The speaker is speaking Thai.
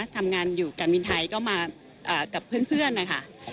ทำงานอยู่การบินไทยก็มากับเพื่อนนะคะ